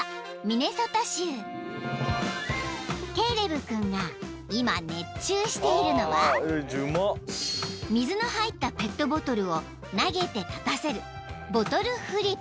［ケイレブ君が今熱中しているのは水の入ったペットボトルを投げて立たせる］